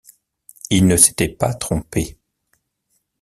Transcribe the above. Il ne s’était pas trompé.